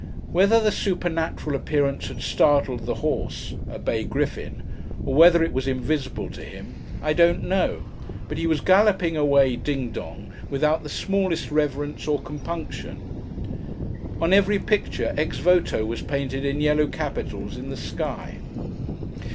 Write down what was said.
Whether the supernatural appearance had startled the horse (a bay griffin), or whether it was invisible to him, I don't know; but he was galloping away, ding dong, without the smallest reverence or compunction. On every picture 'Ex voto' was painted in yellow capitals in the sky.